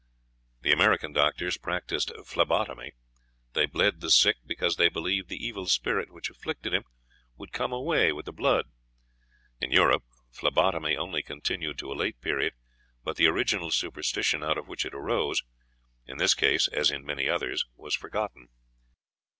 The American doctors practised phlebotomy. They bled the sick man because they believed the evil spirit which afflicted him would come away with the blood. In Europe phlebotomy only continued to a late period, but the original superstition out of which it arose, in this case as in many others, was forgotten.